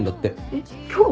えっ今日？